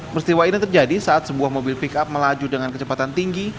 peristiwa ini terjadi saat sebuah mobil pick up melaju dengan kecepatan tinggi